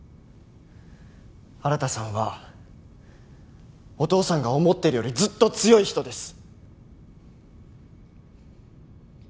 新さんはお父さんが思ってるよりずっと強い人です！